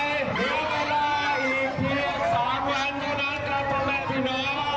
เหลือเวลาอีกเพียง๒วันเท่านั้นครับพ่อแม่พี่น้อง